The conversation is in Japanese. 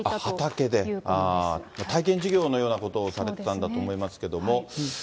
体験授業のようなことをされてたんだと思いますけれども。